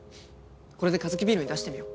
これでカヅキビールに出してみよう。